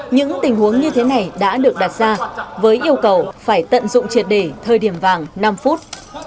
những tình huống như thế này đã được đặt ra với yêu cầu phải tận dụng triệt đề thời điểm vàng năm phút